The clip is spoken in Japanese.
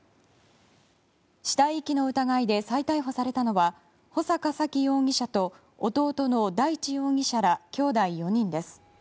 死体遺棄の疑いで再逮捕されたのは穂坂沙喜容疑者と弟の大地容疑者らきょうだい４人です。